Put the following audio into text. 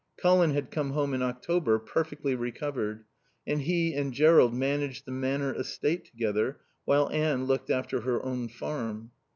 Colin had come home in October, perfectly recovered, and he and Jerrold managed the Manor estate together while Anne looked after her own farm.